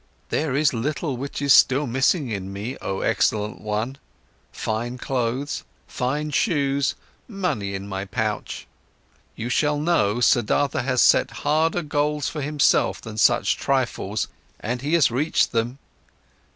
There is little which is still missing in me, oh excellent one: fine clothes, fine shoes, money in my pouch. You shall know, Siddhartha has set harder goals for himself than such trifles, and he has reached them.